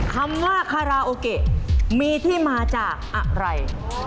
คำว่าคาราโอเกะมีที่มาจากอะไร